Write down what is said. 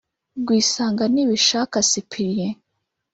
Rwisanga Nibishaka Cyprien